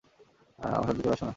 আমার সাথে চলে আসো না?